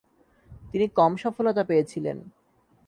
তিনি কম সফলতা পেয়েছিলেন।